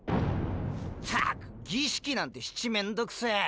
ったく儀式なんてしちめんどくせえ！